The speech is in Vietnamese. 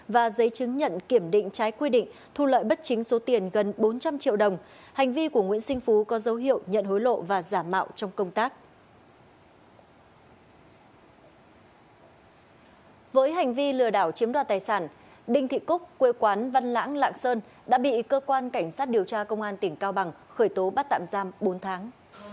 với hành vi lừa đảo chiếm đoạt tài sản đinh thị cúc quê quán văn lãng lạng sơn đã bị cơ quan cảnh sát điều tra công an tỉnh cao bằng khởi tố bắt tạm giam bốn tháng